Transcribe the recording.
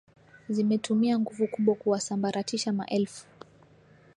zimetumia nguvu kubwa kuwasambaratisha ma elfu